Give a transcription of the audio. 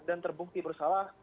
dan terbukti bersalah